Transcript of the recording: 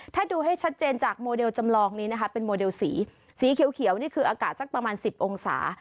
ถ้าดูให้ชัดเจนจากโมเดลจำลองนี้นะคะเป็นโมเดลสีสีเขียวนี่คืออากาศสักประมาณ๑๐องศา